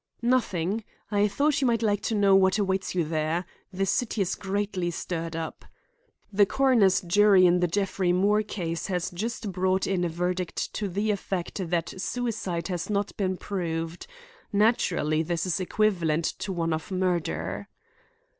"Nothing. I thought you might like to know what awaits you there. The city is greatly stirred up. The coroner's jury in the Jeffrey Moore case has just brought in a verdict to the effect that suicide has not been proved. Naturally, this is equivalent to one of murder."